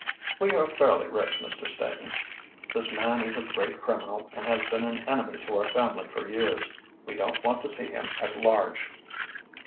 "We are fairly rich, Mr. Staton. This man is a great criminal and has been an enemy to our family for years. We don't want to see him at large."